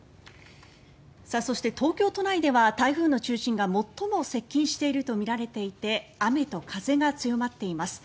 そして東京都内では台風の中心が最も接近しているとみられていて雨と風が強まっています。